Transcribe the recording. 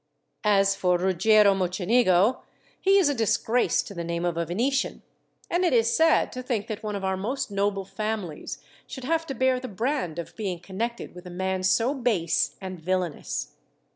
"As for Ruggiero Mocenigo, he is a disgrace to the name of a Venetian; and it is sad to think that one of our most noble families should have to bear the brand of being connected with a man so base and villainous.